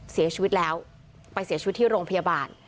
เสียชีวิตแล้วไปเสียชีวิตที่โรงพยาบาล